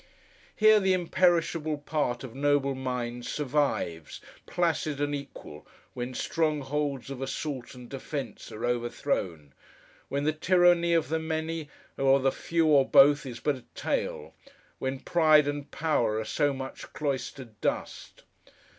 Here, the imperishable part of noble minds survives, placid and equal, when strongholds of assault and defence are overthrown; when the tyranny of the many, or the few, or both, is but a tale; when Pride and Power are so much cloistered dust.